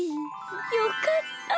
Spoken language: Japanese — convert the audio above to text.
よかった。